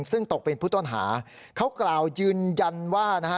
ซึ่งตกเป็นผู้ต้องหาเขากล่าวยืนยันว่านะฮะ